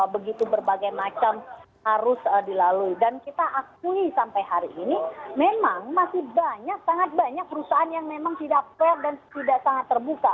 begitu berbagai macam harus dilalui dan kita akui sampai hari ini memang masih banyak sangat banyak perusahaan yang memang tidak fair dan tidak sangat terbuka